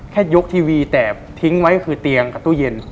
แค่ยกทีวีแต่ทิ้งไว้คือเตียงกับตู้เย็น